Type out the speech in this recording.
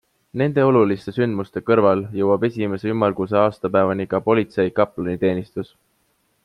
Nende oluliste sündmuste kõrval jõuab esimese ümmarguse aastapäevani ka politsei kaplaniteenistus.